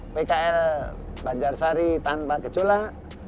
pkl banjarsari tanpa gejolak